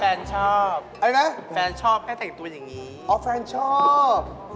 ฟันชอบแฟนชอบให้แตกตัวอย่างนี้อ๋อฟันชอบ